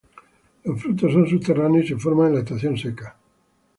Los frutos son subterráneos y se forman en la estación seca.